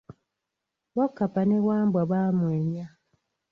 Wakkapa ne Wambwa baamwennya.